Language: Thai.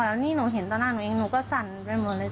แล้วนี่หนูเห็นต่อหน้าหนูเองหนูก็สั่นไปหมดเลย